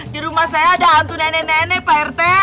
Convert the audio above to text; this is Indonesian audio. di rumah saya ada hantu nenek nenek pak rt